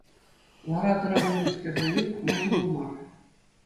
Лара-тӑра пӗлменскерсене пӑхма ҫӑмӑл мар.